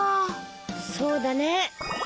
そうだね。